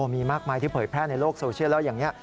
มีมากมายที่เผยแพร่ในโลกโซเชียลแล้วอย่างนี้